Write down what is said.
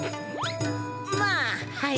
まあはい。